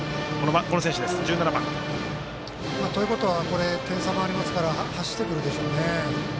１７番。ということは点差もありますから走ってくるでしょうね。